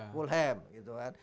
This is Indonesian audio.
fulham gitu kan